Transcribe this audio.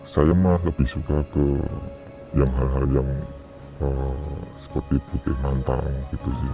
saya mah lebih suka ke yang hal hal yang seperti putih mantan gitu